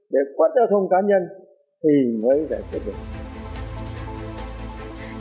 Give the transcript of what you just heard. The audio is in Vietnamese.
để phát giao thông cá nhân